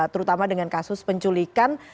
terutama dengan kasus penculikan